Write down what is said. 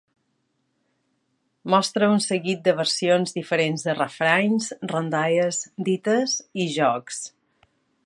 Mostre un seguit de versions diferents de refranys, rondalles, dites i jocs.